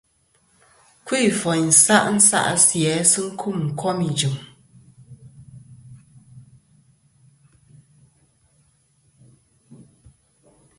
Kfi'ìfòyn sa' nsa'sisɨ̀ a sɨ kum kom ijɨ̀m.